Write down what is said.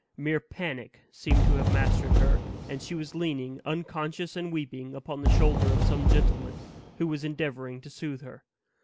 Mere panic seemed to have mastered her; and she was leaning, unconscious and weeping, upon the shoulder of some gentleman, who was endeavoring to soothe her.